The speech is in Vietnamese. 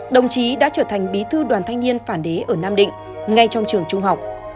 đồng chí đã trở thành bí thư đoàn thanh niên phản đế ở nam định ngay trong trường trung học